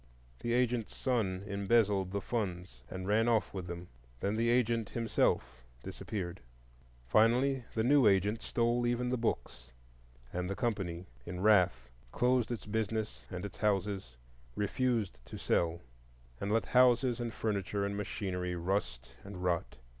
The agent's son embezzled the funds and ran off with them. Then the agent himself disappeared. Finally the new agent stole even the books, and the company in wrath closed its business and its houses, refused to sell, and let houses and furniture and machinery rust and rot.